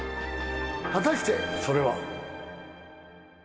果たしてそれは。